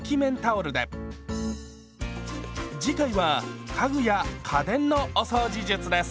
次回は家具や家電のお掃除術です。